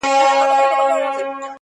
توپکه مه دي سر سه، مه دي کونه.